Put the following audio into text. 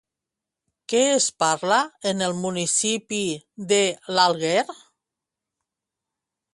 Què es parla en el municipi de l'Alguer?